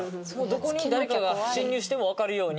どこに誰かが侵入してもわかるように。